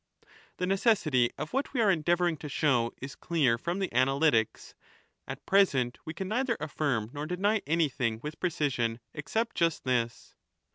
The necessity of what we are endeavouring to show is clear from the Analytics^ ; at present we can neither affirm nor deny anything with precision except just this.